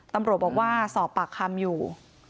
ตำรวจบอกว่าสอบปากคำอยู่